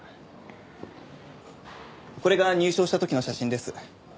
これが入賞した時の写真です。